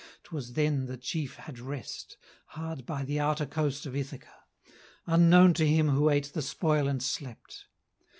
'Twas then the chief had rest, Hard by the outer coast of Ithaca, Unknown to him who ate the spoil and slept.